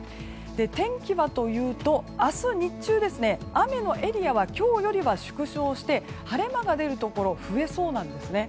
天気はというと、明日日中雨のエリアは今日よりは縮小して晴れ間が出るところ増えそうなんですね。